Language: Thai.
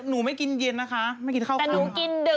หนูไม่กินเย็นนะคะไม่กินข้าวกันแต่หนูกินดึก